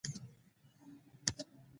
دریشي اکثره له کوټ، پتلون او کمیس نه جوړه وي.